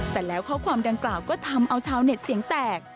แต่แล้วข้อความดังกล่าวก็ทำเอาชาวเน็ตเสียงแตก